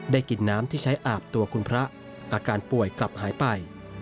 กินน้ำที่ใช้อาบตัวคุณพระอาการป่วยกลับหายไป